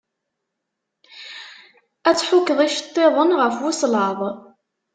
Ad tḥukkeḍ icettiḍen ɣef uslaḍ.